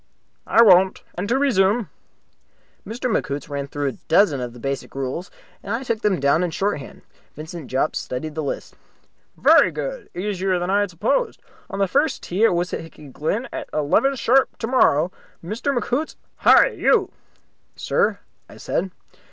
"I won't. And to resume." Mr. McHoots ran through a dozen of the basic rules, and I took them down in shorthand. Vincent Jopp studied the list. "Very good. Easier than I had supposed. On the first tee at Wissahicky Glen at eleven sharp tomorrow, Mr. McHoots. Hi! You!" "Sir?" I said.